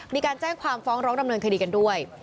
มีการแจ้งความฟ้องร้องดำเนินคดีกันด้วย